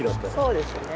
そうですね。